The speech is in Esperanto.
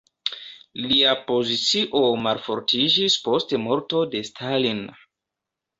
Lia pozicio malfortiĝis post morto de Stalin.